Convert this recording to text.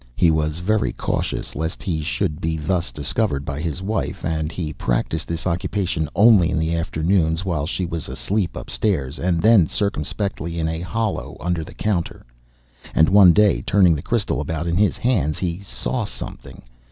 He was very cautious lest he should be thus discovered by his wife, and he practised this occupation only in the afternoons, while she was asleep upstairs, and then circumspectly in a hollow under the counter. And one day, turning the crystal about in his hands, he saw something.